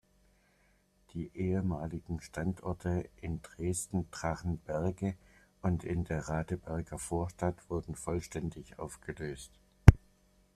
Die ehemaligen Standorte in Dresden-Trachenberge und in der Radeberger Vorstadt wurden vollständig aufgelöst.